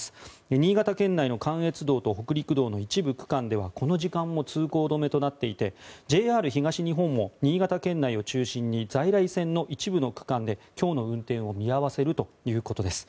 新潟県内の関越道と北陸道の一部区間ではこの時間も通行止めとなっていてＪＲ東日本も新潟県を中心に在来線の一部の区間で今日の運転を見合わせるということです。